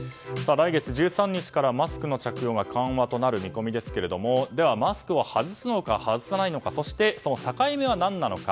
来月１３日からマスクの着用が緩和となる見込みですがでは、マスクを外すのか外さないのかそして、そのサカイ目は何なのか。